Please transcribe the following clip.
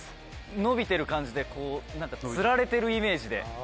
伸びてる感じでこう吊られてるイメージで。